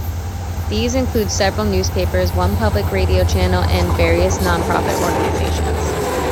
These include several newspapers, one public radio channel and various non-profit organizations.